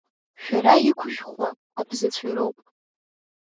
Шәара иқәышәхуа абзацәа роуп.